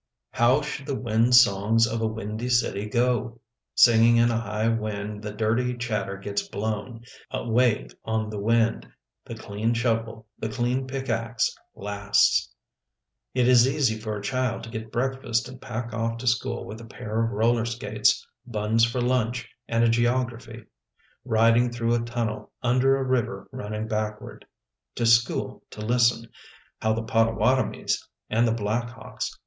How should the wind songs of a windy city go? Singing in a high wind the dirty chatter gets blown away on the wind — the clean shovel, the clean pickax, lasts. It is easy for a child to get breakfast and pack off to school with a pair of roller skates, buns for lunch, and a geography. Riding through a tunnel under a river running backward, to school to listen ... how the Pottawattamies ... and the Blackhawks